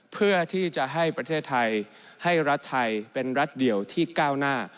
เพื่อที่จะให้ประเทศไทยให้รัฐไทยเป็นรัฐเดียวที่ก้าวหน้า